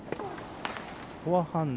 フォアハンド